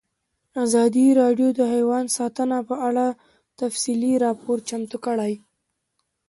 ازادي راډیو د حیوان ساتنه په اړه تفصیلي راپور چمتو کړی.